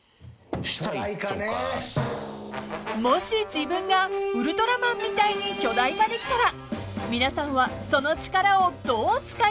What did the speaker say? ［もし自分がウルトラマンみたいに巨大化できたら皆さんはその力をどう使いますか？］